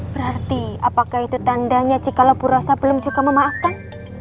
berarti apakah itu tandanya jikalabu rasa belum juga memaafkan